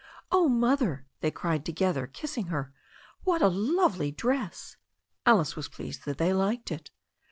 "Oh, Mother," they cried together, kissing her, "what a lovely dress." Alice was pleased that they liked it.